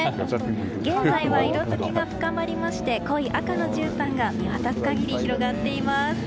現在は色づきが深まりまして濃い赤のじゅうたんが見渡す限り広がっています。